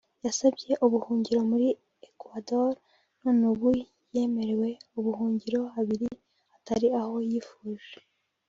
yasabye ubuhungiro muri Ecuador none ubu yemerewe ubuhungiro habiri hatari aho yifuje